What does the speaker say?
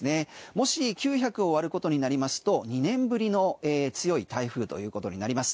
もし９００を割ることになりますと２年ぶりの強い台風ということになります。